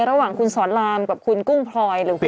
ระหว่างคุณสอนรามกับคุณกุ้งพลอยหรือคุณ